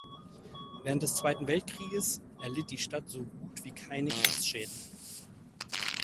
Während des Zweiten Weltkrieges erlitt die Stadt so gut wie keine Kriegsschäden.